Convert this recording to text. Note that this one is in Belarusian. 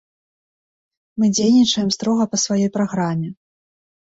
Мы дзейнічаем строга па сваёй праграме.